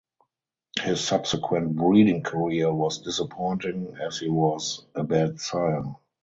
His subsequent breeding career was disappointing as he was "a bad sire".